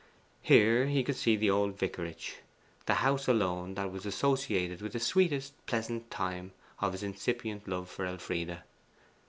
Here he could see the old vicarage, the house alone that was associated with the sweet pleasant time of his incipient love for Elfride.